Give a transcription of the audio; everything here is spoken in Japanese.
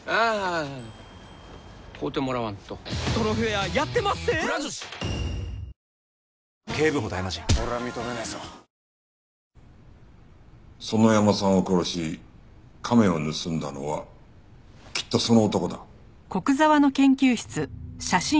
白髪かくしもホーユー園山さんを殺し亀を盗んだのはきっとその男だ。